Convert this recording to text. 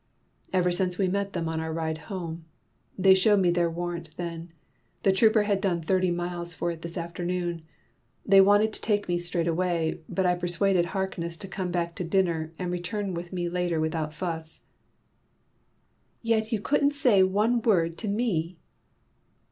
"Ever since we met them on our ride home. They showed me their warrant then. The trooper had done thirty miles for it this afternoon. They wanted to take me straight away. But I persuaded Harkness to come back to dinner and return with me later without fuss." "Yet you couldn't say one word to me!"